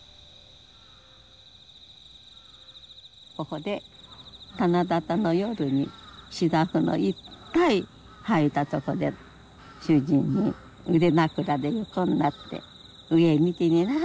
ここで七夕の夜に芝生のいっぱい生えたとこで主人に腕枕で横になって「上見てみな。